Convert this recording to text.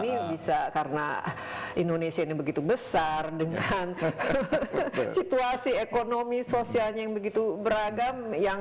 ini bisa karena indonesia ini begitu besar dengan situasi ekonomi sosialnya yang begitu beragam